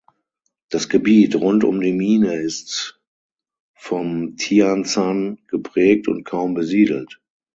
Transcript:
Das Gebiet rund um die Mine ist vom Tianshan geprägt und kaum besiedelt.